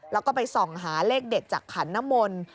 แล้วก็ไปส่องหาเลขเด็ดจากขันน้ำมนต์